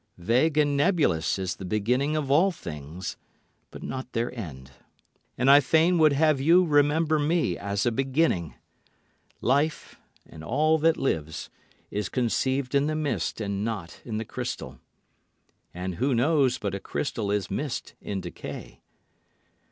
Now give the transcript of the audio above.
Vague and nebulous is the beginning of all things, but not their end, And I fain would have you remember me as a beginning. Life, and all that lives, is conceived in the mist and not in the crystal. And who knows but a crystal is mist in decay?